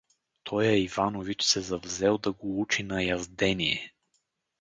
Тоя Иванович се завзел да го учи на яздение.